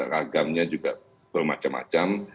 ragamnya juga bermacam macam